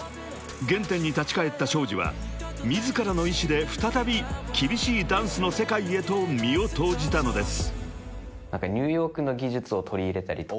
［原点に立ち返ったＳｈｏｊｉは自らの意思で再び厳しいダンスの世界へと身を投じたのです］